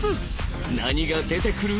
何が出てくる？